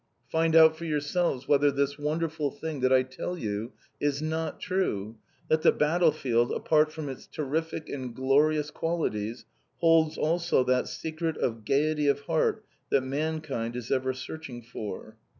Find out for yourselves whether this wonderful thing that I tell you is not true, that the battle field, apart from its terrific and glorious qualities, holds also that secret of gaiety of heart that mankind is ever searching for!